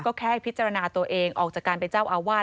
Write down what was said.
ก็แค่พิจารณาตัวเองออกจากการเป็นเจ้าอาวาส